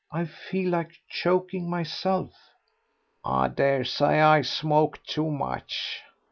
I feel like choking myself." "I daresay I smoke too much....